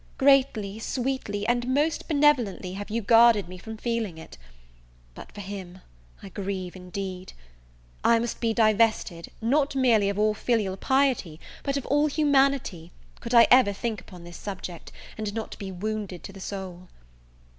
greatly, sweetly, and most benevolently have you guarded me from feeling it; but for him, I grieve indeed! I must be divested, not merely of all filial piety, but of all humanity, could I ever think upon this subject, and not be wounded to the soul.